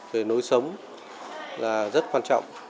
về nối sống là rất quan trọng